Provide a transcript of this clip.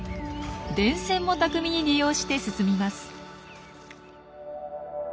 電線も巧みに利用して進みます。